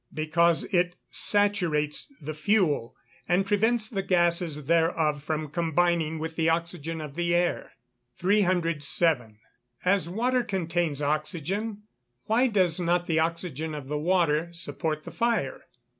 _ Because it saturates the fuel, and prevents the gases thereof from combining with the oxygen of the air. 307. _As water contains oxygen, why does not the oxygen of the water support the fire?